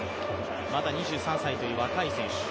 まだ２３歳という若い選手。